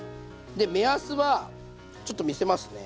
で目安はちょっと見せますね。